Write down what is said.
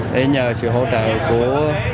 để nhờ sự hỗ trợ của